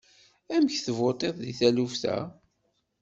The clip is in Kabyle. Amek tvuṭiḍ deg taluft-a?